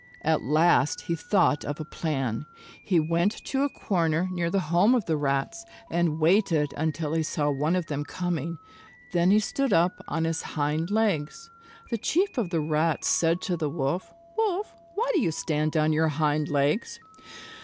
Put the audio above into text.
At last he thought of a plan. He went to a corner near the home of the Rats and waited until he saw one of them coming. Then he stood up on his hind legs. The Chief of the Rats said to the Wolf, "Wolf, why do you stand on your hind legs?"